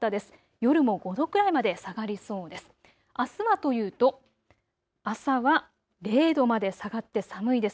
夜も５度くらいまで下がりそうです。